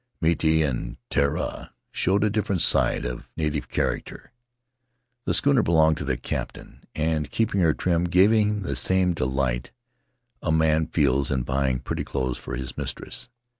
Miti and Teriaa showed a different side of native character. The schooner belonged to the cap tain, and keeping her trim gave him the same delight a man feels in buying pretty clothes for his mistress.